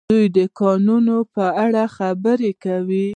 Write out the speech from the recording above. دوی د کانونو په اړه خبرې کوي.